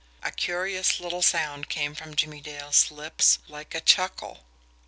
A curious little sound came from Jimmie Dale's lips like a chuckle.